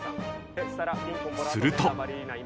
［すると］